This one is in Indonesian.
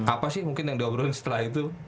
apa sih mungkin yang diobrolin setelah itu